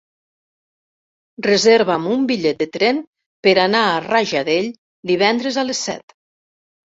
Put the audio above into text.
Reserva'm un bitllet de tren per anar a Rajadell divendres a les set.